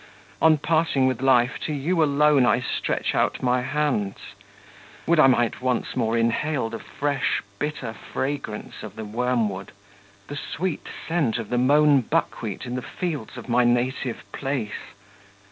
On parting with life, to you alone I stretch out my hands. Would I might once more inhale the fresh, bitter fragrance of the wormwood, the sweet scent of the mown buckwheat in the fields of my native place!